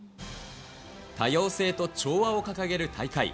多様性と調和を掲げる大会。